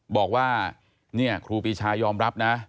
บอกว่านี่ครูปีชายอมรับนะ